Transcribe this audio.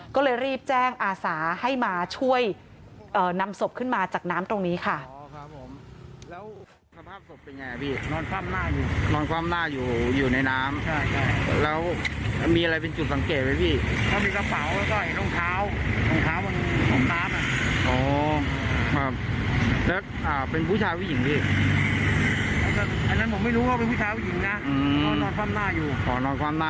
ก็เลยรีบแจ้งอาสาให้มาช่วยนำศพขึ้นมาจากน้ำตรงนี้ค่ะ